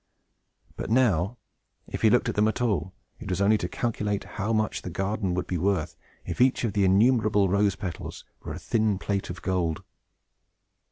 But now, if he looked at them at all, it was only to calculate how much the garden would be worth if each of the innumerable rose petals were a thin plate of gold.